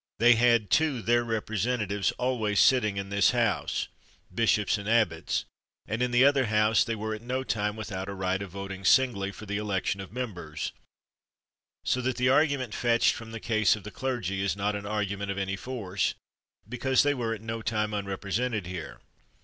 They had, too, their representatives always sitting in this House, bishops and abbots, and in the other House they were at no time without a right of voting singly for the election of members; so that the argu ment fetched from the case of the clergy is not an argument of any force, because they were at no time unrepresented here.